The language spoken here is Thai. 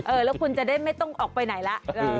แล้วคุณจะได้ไม่ต้องออกไปไหนล่ะ